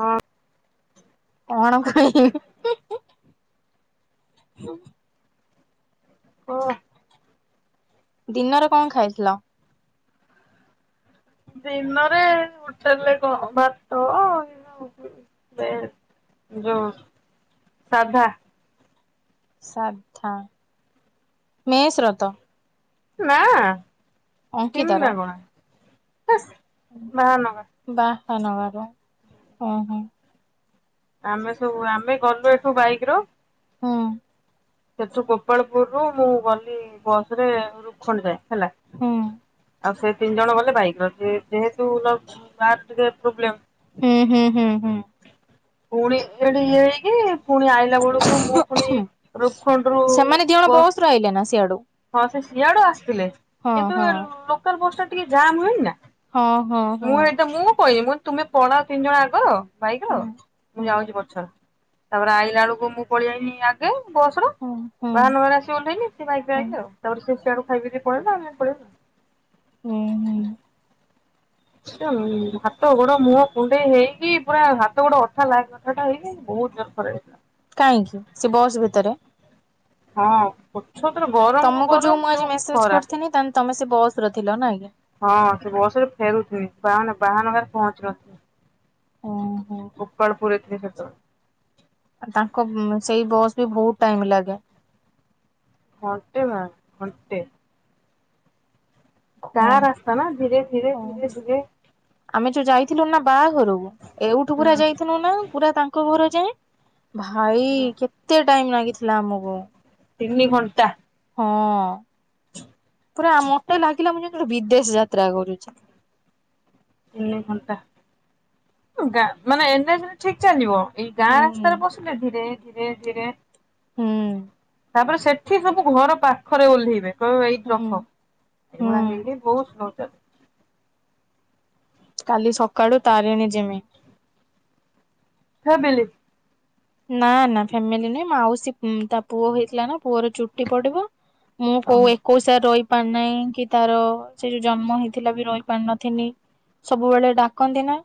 ହଁ କଣ କହିବି? ଓ ଦିନରେ କଣ ଖାଇଥିଲ? ଦିନରେ ହୋଟେଲରେ କଣ ଭାତ [unintelligible] ଯୋଉ ସାଧା ସାଧା ମେସ୍ ର ତ ନାଁ [unintelligible] ନା କଣ ହେସ୍ ବାହାନଗା ବାହାନଗାରୁ ଅ ହୁଁ। ଆମେ ସବୁ ଆମେ ଗଲୁ ଏଠୁ ବାଇକ୍ ରୁ ହୁଁ। ସେଠୁ ଗୋପାଳପୁରରୁୁ ମୁଁ ଗଲି ବସରେ ରୁଖଣ୍ଡ ଯାଏ। ହେଲା ହୁଁ। ହୁଁ ଆଉ ସେ ତିନି ଜଣ ଗଲେ ବାଇକର ଯେ ଯେହେତୁ କାର ଟିକେ ପ୍ରୋବ୍ଲେମ୍ ହୁଁ ହୁଁ ହୁଁ ହୁଁ। ପୁଣି ଏଠି ଇଏ ହେଇକି ପୁଣି ଆଇଲା ବଳକୁ ମୁଁ ପୁଣି ହୁଁ ରୁପ୍ଖଣ୍ଡରୁ ସେମାନେ ଦି ଜଣ ବସ୍ ରେ ଆଇଲେ ନା ସିଆଡୁ ହଁ ସେ ସିଆଡ଼ୁ ଥିଲେ ହଁ କିନ୍ତୁ ହଁ। ଲୋକାଲ ବସ୍ ଟା ଟିକେ ଜାମ୍ ହୁଏନି ନା। ହଁ ହଁ ମୁଁ ହଁ। ଏଇଟା ମୁଁ କହିନି ମୁଁ ତୁମେ ପଳାଅ ତିନି ଜଣ ଆଗର ବାଇକ୍ ର ହଁ ମୁଁ ହଁ ଯାଉଛି ପଛରେ ତାପରେ ଆଇଲା ବଳୁକୁ ମୁଁ ପଳେଇଆଇନି ଆଗେ ବସ୍ ର ହଁ ହଁ ବାହାନଗାରେ ଆସି ଓହ୍ଲେଇଲି ସିଏ ବାଇ ହଁ। [unintelligible] ସେ ସିଆଡୁ ଖାଇକିରି ପଳେଇ ଆ୍ ପଳେଇବା। ହୁଁ ହୁଁ। ଟା ହାତ ଗୋଡ ମୁହଁ କୁଣ୍ଡେଇ ହେଇକି ପୁରା ହାତ ଗୋଡ ଅଠା ଲାଖ ଅଠାଟା ହେଇକି ବହୁତ ଜରଫ ହେଇଥିଲା। କାହିଁକି ସେ ବସ୍ ଭିତରେ। ହଁ। ପଛତୁରୁ ଗରମ କୁ ତମକୁ ଯୋଉ ଗରମ ମୁଁ ଆଜି ମେସେଜ ଖରା। କରିଥିନିତାନେ ତମେ ସେ ବସ ର ଥିଲ ନା କି? ହଁ ସେ ବସରେ ଫେରୁଥିନି ବାହାନ ବାହାନଗା ରେ ପହଞ୍ଚି ନଥ। ଓହୋ ଉକାଳପୁର ଏଥି ତ୍ ତାଙ୍କ ସେଇ ବସ୍ ବି ବହୁତ ଟାଇମ ଲାଗେ। ଘଣ୍ଟେ ମା ଘଣ୍ଟେ। ତାର ଆସ୍ତା ନା ଧୀରେ ଧୀରେ ହଁ ଧୀରେ ଧୀରେ। ବା ଘରକୁ ଏଇଠୁ ପୁରା ହଁ ଯାଇଥଥିଲୁ ନା ପୁରା ତାଙ୍କ ଘରେ। ଯେ ଭାଇ କେତେ ଟାଇମ ଲାଗିଥିଲା ଆମକୁ। ତିନି ଘଣ୍ଟା। ହଁ। ପୁରା ମୋତେ ଲାଗେ। କିଲୋ ଆମେ ଜିମିତି ବିଦେଶ ଯାତ୍ରା କରୁଛି। ଏନ ଘଣ୍ଟା ମାନେ ଏନ ଏଚ ରେ ଠିକ। ଚାଲିବ ଏଇ ଗାଁ ହୁଁ ରାସ୍ତାରେ ବସିଲେ ଧୀରେ। ଧୀରେ ଧୀରେ। ହୁଁ। ତାପରେ ସେଠି ସବୁ ଘର ପାଖରେ ଓହ୍ଲେଇବେ। ହଁ ଏଇଠି ହୁଁ ରଖ ହୁଁ ଏଇଗୁଡା ହେଇନି ବହୁତ ଚାଲି କାଲି ସକାଳୁ ତାରିଣୀ ଜିମି। ହେ ବିଲି। ନା ନା ଫ୍ୟାମିଲି ନାଇଁ ମାଉସୀ ତା ପୁଅ ହେଇଥିଲା ନା ପୁଅର ଚୁଟି ପଡିବ। ମୁଁ କୋଉ ଓହୋ ଏକୋଇଶରେ ରହିି। ପାର ନାହିଁ କି ତାର ସେ ଯୋଉ ଜନ୍ମ ହେଇଥିଲା ବି ରହି ପାରିନଥିନି ସବୁବେଳେ ଡାକନ୍ତି ନା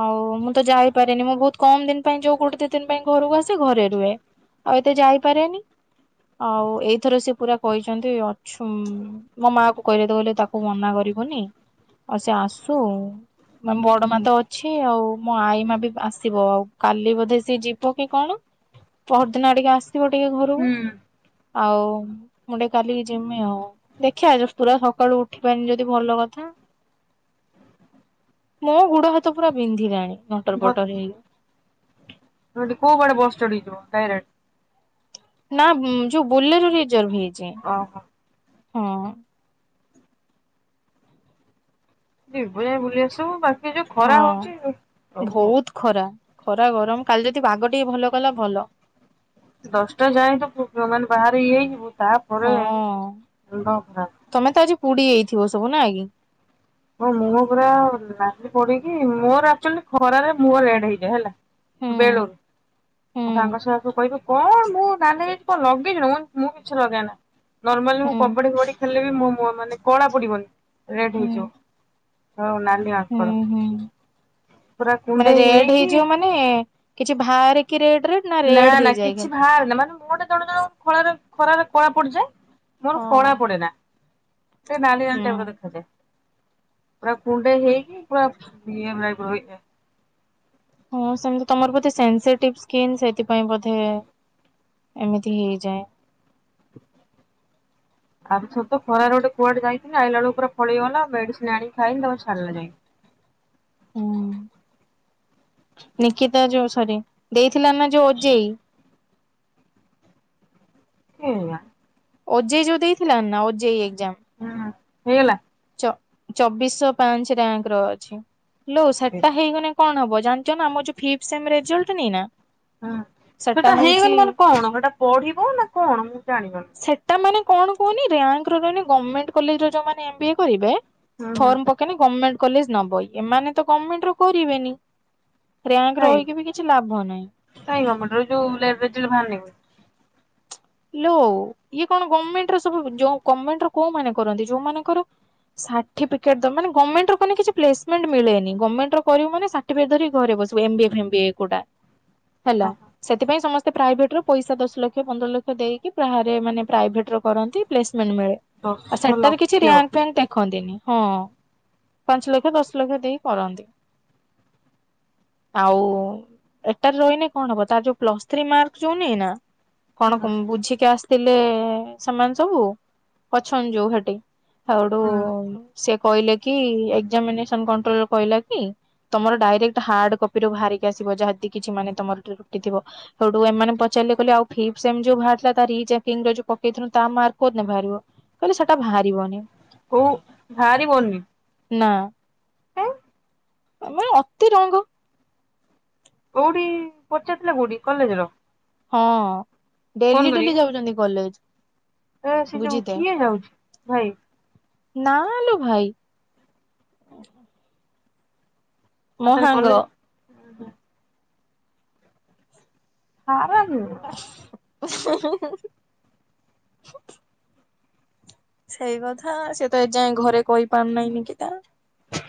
ଆଉ ମୁଁ ତ ଯାଇପାରେିନି ମୁଁ ବହୁତ କମ ଦିନ ପାଇଁ ଯୋଉ ଗୋଟେ ଦି ଦିନ ପାଇଁ। ଘରକୁ ଆସି ଘରେ ରୁହେ ଆଉ ଏତେ ଯାଇପାରେନି ଆଉ ଏଇଥର ସେ ପୁରା କହିଛନ୍ତି ଅଛୁ ମୋ ମା କୁ କହିଲେ ତ କହିଲେ ତାକୁ ମନା କରିବୁନି ଆଉ ସେ ଆସୁ। ମ ବଡ ମା ତ ଅଛି ଆଉ। ମୋ ଆଇ ମା ବି ଆସିବ ଆଉ କାଲି ବୋଧେ ସିଏ ଯିବ ପକେ କଣ ପର ଦିନ ଆଡିକେ ଆସ ଇବ ଟିକେ ଘରକୁ ଆଉ ମୁଁ ଟିକେ କାଲି ଯିମି ଆଉ ଦେଖିବା ପୁରା ସକାଳୁ ଉଠିପାରନି ଯଦି ଭଲ କଥା ମୋ ଗୋଡ ହାତ ପୁରା ବିନ୍ଧିଲାଣି। ନଟର ପଟର ହେଇକି [unintelligible] ନା ଯୋଉ ବୋଲେର ରିଜର୍ଭ ହେଇଚି। ଅହ ହଁ ଯିବୁ ଯାଇ ବୁଲି ଆସିବୁ [unintelligible] ଇଏ ଯୋଉ ଖରା ହଁ ହଉଚି ପ୍ରଭୁ ବହୁତ ଖରା ଖରା ଗରମ କାଲି ଯଦି ବାଘ ଟିକେ ଭଲ କଲା ଭଲ। ଦଶଟା ଯାଏ ତ ପୁ ମାନେ ବାହାରେ ଇଏ ହେଇଯିବୁ। ତାପରେ ହଁ ଅଣ୍ଡ ଖରା କୁଡି ଯାଇଥିବ ସବୁ ନା କି? ହଁ ମୁଁହ ପୁରା ନାଲି ପଡିକି ମୋର ଆକଚୋଲି ଖରାରେ ମୁହଁ ରେଡ ହେଇଯାଏ ହେଲା ହୁଁ ବେଳୁରୁ ହୁଁ ମୋ ସାଙ୍ଗ ସବୁ କହିବେ କଣ ମୁହଁରେ କଣ ଲଗେଇଚୁ ମୁଁ କିଛି ଲଗେଇ ନା। ନର୍ମାଲ ମୁଁ ହୁଁ କବାଡ଼ି କବାଡ଼ି ଖେଳିଳେ ବିି ମୋ ମୁହଁ ମାନେ କଳା ପଡିବନି ରେଡ ହୁଁ ହେଇଯିବ। ହଉ ନାଲି ହୁଁ ମାଙ୍କଡ ହୁଁ ପୁରା ମାନେ କୁଣ୍ଡେଇ ରେଡ଼୍ ହେଇକି ହେଇଯିବ ମାନେ କିଛି ଭାରେ କିରେଡ଼ ନା ନା କିଛି ଭାର୍ ନା ମାନେ ମୁଁଅ ଟା ଜଣେ ଜଣ ଖଳାରେ ଖରାରେ କଳା ପଡିଯାଏ। ମୋର ହଁ କଳା ପଡେନା। ଟିଏ ନାଲି ନାଲି ହୁଁ ଟାଇପ୍ ର ଦେଖାଯାଏ। ପୁରା କୁଣ୍ଡେଇ ହେଇକି ପୁରା ଇଏ ଟାଇପର ହେଇଯାଏ। ହଁ ସେମତି ତମର ବୋଧେ ସେନ୍ସିଟିଭ୍ ସ୍କିନ୍ ସେଥିପାଇଁ ବୋଧେ ଏମିତି ହେଇଯାଏ। ଆର୍ ଥର ତ ଖରାରେ ଗୋଟେ କୁଆଡେ ଯାଇଥିନି, ଆଇଲାବେଳୁକୁ ପୁରା ଫଳିଗଲା ମେଡ଼ିସିନ ଆଣିକି ଖାଇନି ତାପରେ ଛାଡିଲା ଯାଇଁକି। ହୁଁ ନିକିତା ଯୋଉ ସରି ଦେଇଥିଲା ନା ଯୋଉ ଓଜେଇ। ସେଆ। ଓଜେଇ ଯୋଉ ଦେଇଥିଲା ନା, ଓଜେଇଗ ଯାମ୍ ହୁଁ ହେଇଗଲା। ଚ ଚବିଶହ ପାଞ୍ଚ ରାଙ୍କ୍ ର ଅଛି। ଲୋ ସେ ସାଟା ହେଇଗଲା। କଣ ହବ ଜାଣିଚ ନା ଆମ ଯୋଉ ଫିପ୍ ସେମି ରେଜଲଟ ନେଇନା ହୁଁ ସେଟା ହେଇଗନି ମାନେ କଣ ହେଟା ପଢ଼ିବ ନା କଣ? ମୁଁ ଜାଣି ସେଟା ମାନେ? କଣ କୁହନି ଋ୍ୟାଙ୍କ ରେ ରହିନେ ଗଭଣମେଣ୍ଟ କଲେଜ ରେ ଯୋଉଁ ମାନେ ଏମବିଏ କରିବେ। ହୁଁ ହୁଁ। ଫର୍ମ ପକେଇନେ ଗଭର୍ମେଣ୍ଟ କଲେଜ ନବ। ଏମାନେ ତ ଗମେଣ୍ଟ ର କରିବେନି। ରାଙ୍କ କାଇଁ ରହିକି ବି କିଛି ଲାଭ ନାହିଁ। କାଇଁ। [unintelligible] ଲୋ ଇଏ କଣ ଗମେଣ୍ଟ ର ସବୁ ଯଉ ଗମେଣ୍ଟର କଉମାନେ କରନ୍ତି, ଯଉମାନଙ୍କର ସାଠିଫିକେଟ ଦ ମାନେ ଗମେଣ୍ଟ ର କିଛି ପ୍ଲେସ୍ ମେଣ୍ଟ ମିଳେନି। ଗମେଣ୍ଟ ର କରିବୁ ମାନେ ସାର୍ଟିଫିକେଟ ଧରିକି ଘରେ ବସିବୁ, ମାନେ ଏମ୍ ବିଏ, ଫେମ୍ ବିଏ କଉଟା। ହେଲା ଓହୋ। ସେଥିପାଇଁ ସମସ୍। ପ୍ରାଇଭେଟ ରେ ପଇସା ଦଶଲକ୍ଷ, ପନ୍ଦରଲକ୍ଷ ଦେଇକି ବାହାରେ ମାନେ ପ୍ରାଇଭେଟ ର କରନ୍ତି। ପ୍ଲେସ ମାନ୍ ମିଳେ, ଆଉ ଦଶ ସେଠାରେ କିଛି ଲକ୍ଷ ହୁଁ ଋ୍ୟାଙ୍କ୍ ଫ୍ୟାଙ୍କ୍ ଦେଖ ରଖନ୍ତିନି ହଁ ପାଞ୍ଚଲକ୍ଷ ଦଶଲକ୍ଷ ଦେଇ କରନ୍ତି। ଆଉ ଏଟାରେ ରହିନେ କଣ ହବ? ତାର ଯୋଉ ପ୍ଲସ୍ ଥ୍ରି ମାର୍କ ଯୋଉ ନିଏ ନା କଣ? ତମ୍ ବୁଝିକି ଆସ୍ ଥିଲେ-ଏ ସେମାନେ ସବୁ ଅଛନ ଯୋଉ ହେଠି। ହାଉଡୁ ହୁଁ ସେକ୍ କହିଲେ କି ଏକ୍ଜାମିନେସନ୍ କଣ୍ଟ୍ରୋଲ ର କହିଲା କି ତମର ଡାଇରେକ୍ଟ ହାର୍ଡ କପି ରୁ ବାହାରିକି ଆସିବ। ଯହଦି କିଛି ମାନେ ତମର ତ୍ରୁଟିଥିବ। ହେଠୁ ଏମାନେ ପଚାରିଲେ କହିଲେ ଆଉ ଫିଫ୍ ସେମ୍ ଯୋଉ ବାହାରିଥିଲା ତା ରିଚେକିଙ୍ଗ ରେ ଯୋଉ ପକେଇଥିନୁ ତା ମାର୍କ କୋଉଦିନ ବାହାରିବ? କହିଲେ ସେଟା ବାହାରିବନି। ହଉ ହାରିବନି। ନା। ତମେ ଅତିରଙ୍ଗ। କୋଉଠି ପଚାରଥିଲା କୋଉଠି କଲେଜ ର। ହଁ। ଡେଲି ଡେଲି ଯାଉଛନ୍ତି କଲେଜ। ହଁ ସେ ଯୋଉ ବୁଝିତେ ଉଠି ଯାଉଛି ଭାଇ। ନା ଲୋ ଭାଇ। ମୋ ଆତରେ ସାଙ୍ଗ। କଲେଜ୍। ହଁ। [unintelligible] [unintelligible] ସେଇ କଥା ସେ ତ ଏ ଯାଏ ଘରେ କହିପାରୁ ନାହିଁ ନିକିତା।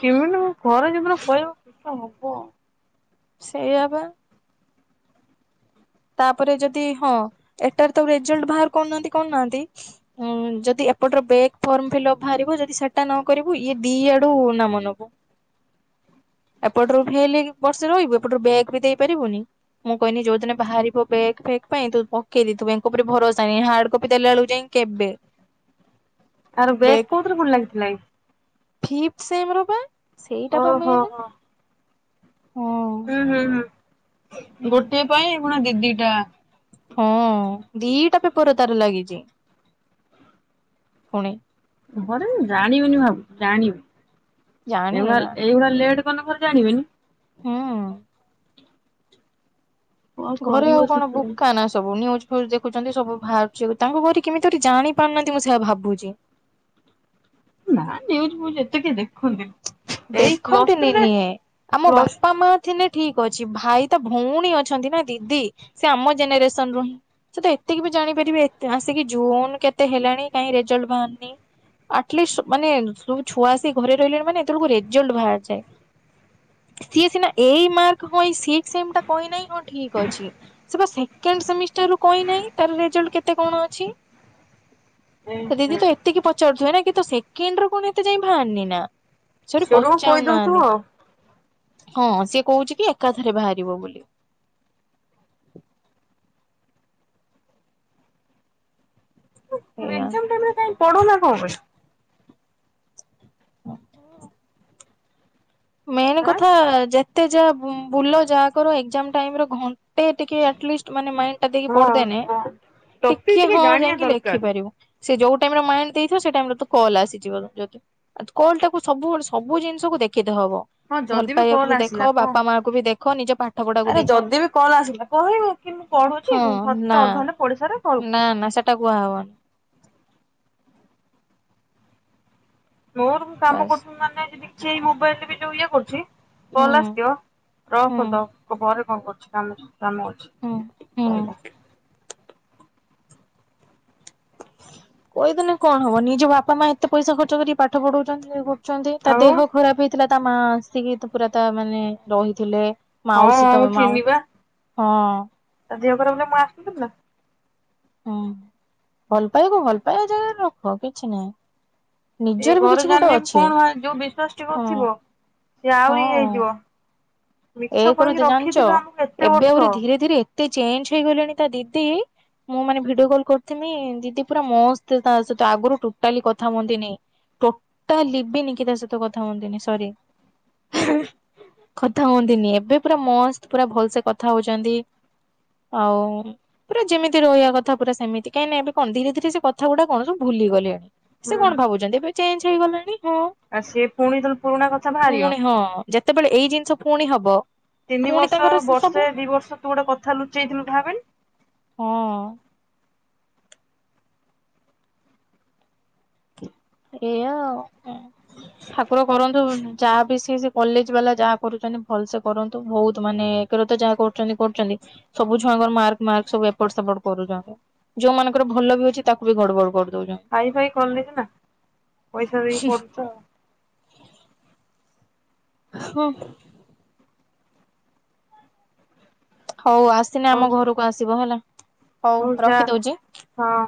ଏମିତି ଘରେ ଜୀବନ କହିବା କିଛ ହବ। ସେଇଆପା। ତାପରେ ଯଦି ହଁ ଏଟାରେ ତ ରେଜଲ୍ଟ ବାହାର କରୁନାହାନ୍ତି କଣ ନାହାନ୍ତି ଉ ଯ। ଦି ଏପଟର ବ୍ୟାଗ ଫର୍ମ। ଫ ବାହାରିବ ଯଦି ସେଟା ନ କରିବୁ ଇଏ ଦି ଆଡୁ ନ ମ ନବୁ ଏପଟରୁ ଫେଲ ବର୍ଷେ ରହିବୁ ଏପଟରୁ ବ୍ୟାଗ୍ ବି ଦେଇପାରିବୁନି ମୁଁ କହନି ଯୋଉଦିନ। ବାହାରିବ ବ୍ୟାଗ୍ ଫେଗ ପାଇଁ ତୁ ପକେଇଦି ତୁ ବ୍ୟାଙ୍କ ଉପରେ ଭରସା ନହି ହାର୍ଡ କପି ଦେଲା ବେଳକୁ ଯାଇ କେବେ। ଆର ବେକ୍ କୋଉଥିରେ ଫୁଣି ଲାଗିଥିଲା କି? ଫିପ ସେମ ରୁ ପା? ସେଇଟା ବା ଓହୋ ମେନ୍। ହୋ ହଁ। ହୁଁ ହୁଁ ହୁଁ। ଗୋଟିଏ ପାଇଁ କଣ ଦିଦିଟା ହଁ ଦିଟା ପେପର ତାର ଲାଗିଛି ପୁଣି। ଘରେ ଜାଣିବେନି ଭାବୁଚୁ ଜାଣିବେ। ଜାଣେ ଏଇଭଳିଆ ଜାଣେ ଏଇଭଳିଆ ଲେଟ୍ ମନେକର ଘରେ ଜାଣିବେନି। ହୁଁ। କଣ ଘରେ କରିବ ଆଉ କଣ ସେତେବେଳେ ବୁକା ନା ସବୁ ନ୍ୟୁଜ୍ ଦେଖୁଛନ୍ତି ସବୁ ବାହାରୁଛି ତାଙ୍କୁ ଘରେ କେମିତି ଜାଣି ପାରୁନାହାନ୍ତି ମୁଁ ସେୟା ଭାବୁଛି। ନା ନ୍ୟୁଜ ଫ୍ୟୁଜ୍ ଏତେ କିଏ ଦେଖନ୍ତି? ଦେଖନ୍ତିନି ନିଏ ଆମ ପ୍ଲସ୍ ବାପା ମାଆ ଥିଲେ ଠିକ ଅଛି ଭାଇ ତା ଭଉଣୀ ଅଛନ୍ତି ନା ଦିଦି ସେ ଆମ ଜେନେରେସନ ରୁ ହିଁ ସେ ତ ଏତିକି ବି ଜାଣିପାରିବେେ ଆସିକି ଜୁନ କେତେ ହେଲାଣି କାହିଁ ରେଜଲ୍ଟ ବାହାରିନି ଆଟଲିଷ୍ଟ ମାନେ ସବୁ ଛୁଆ ଆସିକ ଘରେ ରହିଲେଣି ମାନେ ଏତଳୁକୁ ରେଜଲ୍ଟ ବାହାରି ଯାଏ ସିଏ ସିନା ଏ ମାର୍କ କହି ସିକ୍ସ ସେମ୍ ଟା କହି ନାହିଁ ହଁ ଠିକ ଅଛି ସେ ବା ସେକେଣ୍ଡ ସେମିଷ୍ଟାରରୁ କହିନାହିଁ ତାର ରେଜଲ୍ଟ କେତେ କଣ ଅଛି। ଏ ତା ହେ ଦିଦି ତ ଏତିକି ପଚାରୁଥିବେ ନା କିନ୍ତୁ ସେକେଣ୍ଡ ରୁ କଣ ଏତେ ଯାଇ ବାହାରନି ନା? ସରି ସେଡୁକୁ କହିଦଉଥିବ ପଚାରୁନାହାନ୍ତି ଆଉ। ହଁ ସିଏ କହୁଛି କି ଏକାଥରେ ବାହାରିବ ବୋଲି। ଏଇଆ। ଏକ୍ସାମ୍ ଟାଇମରେ କାଇଁ ପଢ଼ୁନା କଣ ପାଇଁ? ମେନ୍ ଆଁ? କଥା ଯେ ଯେତେ ଯାହା ବୁଲ ଯାହା କର ଏକ୍ସାମ୍ ଟାଇମରେ ଘଣ୍ଟେ ଟିକେ ଆଟଲିଷ୍ଟ ମାଇଣ୍ଡଟା ଦେଇକି ହଁ ପଢଦେନେ ଟପିକ ଟିକେ ହଁ ଜାଣିବା ଯାଇକି ଦରକାର ଲେଖିପାରିବୁ। ସେ ଯୋଉ ଟାଇମ ରେ ମାଇଣ୍ଡ ଦେଇଥିବ ସେ ଟାଇମ ରେ ତ କଲ୍ ଆସିଯିବ କଲ୍ ଟାକୁ ସବୁ ସବୁ ଜିନିଷକୁ ଦେଖ ହବ ହଁ ଭଲ ଯଦି ପାଇବାକୁ କଲ୍ ବି ଆସିଲା ଦେଖ କହ। ବାପା ମାଆଙ୍କୁ ବି ଦେ କ ନିଜ ପାଠ ପଢାକୁ ଆରେ ଦେଖ। ଯଦି ବି କଲ ଆସିଲା କହିବୁ କି ମୁଁ ପଢୁଛି ହଁ ଘଣ୍ଟେ ନା ଅଧଘଣ୍ଟେ ପଢ଼ିସାରେ କଲ୍ ନା ନା ସେଟା କୁହାହବନି ମୋର ମୁଁ କାମ ବାସ୍। କରୁଥିଲି ମାନେ ସେଇ ମୋବାଇଲ ରେ ବି ଯୋଉ ଇଏ କରୁଛି। କଲ୍ ହୁଁ ଆସିଥିବ [unintelligible] ହୁଁ କରିଦବ କହିବ ପରେ କଲ୍ କରୁଛି। କାମରେ। କାମ ଅଛି ହୁଁ ହୁଁ। କହିଲା। କହିଦେଲେ କଣ ହବ ନିଜ ବାପା ମା ଏତେ ପଇସା ଖର୍ଚ୍ଚ କରିକି ପାଠ ପଢାଉଚନ୍ତି ଅଛନ୍ତି ତା ଆଉ ଦେହ ଖରାପ ହେଇ ଥିଲା ତା ମା ଆସିକି ପୁରା ତା ମାନେ ରହିଥିଲେ। ହଁ ହଁ ମାଉସୀ ମୁଁ ତମ ମାଉ ଥିନି ବା ହଁ। ତା ଦେହ ଖରାପ ବୋଲି ମା ଆସିନଥିଲା । ହୁଁ ଭଲ ପାଇବାକୁ ଭଲ ପାଇବା ଜାଗାରେ ରଖ କିଛି ନାହିଁ। ଏଇ ନିଜର ବି ଘରେ କିଛି ଗୋଟେ ଜାଣିଲେ ଅଛି କଣ ହ ଯୋଉ ବିଶ୍ଵାସ ହଁ ଟିକଥିବ ସେ ଆହୁରି ଇଏ ହେଇଯିବ । ଏୟା କରୁଚି ଜାଣିଚ ଏତେ ଏବେ ବର୍ଷ ଆହୁରି ଧୀରେ ଧୀରେ ଏତେ ଚେଞ୍ଜ ହେଇଗଲେଣି ତା ଦିଦି ମୁଁ ମାନେ ଭିଡିଓ କଲ କରିଥିଲି ଦିଦି ପୁରା ମସ୍ତ ତା ସହିତ ଆଗରୁ ଟୋଟାଲି କଥା ହୁଅନ୍ତିନି ଟୋଟାଲି ଲିବିନି କି ତା ସହିତ କଥା ହୁଅନ୍ତିନି ସରି କଥା ହୁଅନ୍ତି। ଦିନି ଏବେ ପୁରା ମସ୍ତ ପୁରା ଭଲ ସେେ କଥା ହଉଛନ୍ତି ଆଉ ପୁରା ଯେମିତି ରହିବା କଥା ପୁରା ସେମିତି କାହିଁକି ନା ଏବେ କଣ ଧୀରେ ଧୀରେ ସେ କଥା ଗୁଡା କଣ ସବୁ ଭୁଲିଗଲେଣି। ସେ ହୁଁ। କଣ ଭାବୁଛନ୍ତି ଏବେ ଚେଞ୍ଜ୍ ହେଇଗଲେଣି ଆଉ ସେ ପୁଣି ତ ପୁରୁଣା କଥା ବାହାରିବ ପୁଣି ହଁ ଯେତେବେଳେ ଏଇ ଜିନିଷ ପୁଣି ହବ। ତିନି ପୁଣି ବର୍ଷ ତାଙ୍କର ସବୁ ବର୍ଷେ ଦି ବର୍ଷ ତୁ ଗୋଟେ କଥା ଲୁଚେଇଥିଲୁ ଭାବେନି ହଁ ହେୟା ଆଉ। ହ ଠାକୁର କରନ୍ତୁ ଯାହା ବି ସେ କଲେଜ ବାଲା ଯାହା କରୁଛନ୍ତି ଭଲ ସେ କରନ୍ତୁ। ବହୁତ ମାନେ ଏକ ରେ ତ ଯାହା କରୁଛନ୍ତି କରୁଛନ୍ତି ସବୁ ଛୁଆଙ୍କର ମାର୍କ ମାର୍କ ସବୁ ଏପଟ ସେପଟ କରୁଛନ୍ତି। ଯୋଉ ମାନଙ୍କର ଭଲ ବି ଅଛି ତାକୁ ବି ଗଡବଡ କରୁ ହାଇ ଫାଇ କଲେ ନା ନା ପଇସା ଦେଇ କରୁଚ ଆଉ ହଁ ହଉ ଆସିଲେ ଆଉ ଆମ ହଉ ଘରକୁ ଆସିବ ହେଲା। ହଉ ରଖି ଦଉଚି। ହଁ।